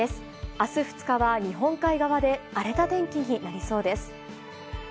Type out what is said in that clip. あす２日は日本海側で荒れた天気になりそうです。